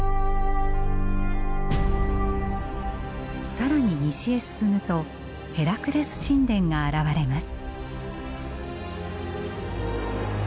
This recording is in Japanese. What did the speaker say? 更に西へ進むとヘラクレス神殿が現れます。